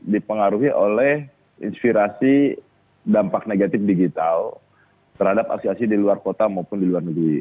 dipengaruhi oleh inspirasi dampak negatif digital terhadap aksi aksi di luar kota maupun di luar negeri